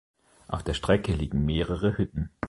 Auf der Strecke liegen mehrere Hütten.